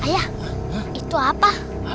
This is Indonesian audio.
ayah itu apa